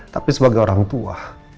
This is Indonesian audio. tapi sebagai orang tua